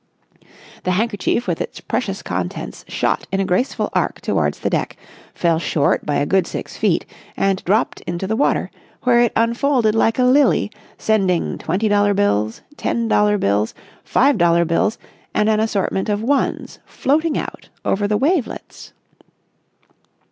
The handkerchief with its precious contents shot in a graceful arc towards the deck, fell short by a good six feet, and dropped into the water, where it unfolded like a lily, sending twenty dollar bills, ten dollar bills, five dollar bills, and an assortment of ones floating out over the wavelets.